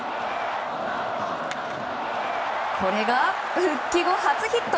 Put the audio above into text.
これが復帰後初ヒット。